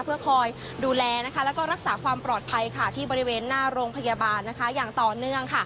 เพื่อคอยดูแลแล้วก็รักษาความปลอดภัยที่บริเวณหน้าโรงพยาบาลอย่างต่อเนื่อง